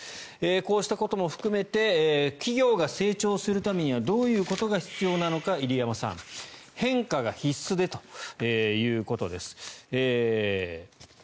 こうしたことも含めて企業が成長するためにはどういうことが必要なのか入山さん変化が必須でということです。